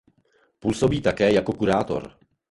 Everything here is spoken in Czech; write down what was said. Působí také jako kurátor.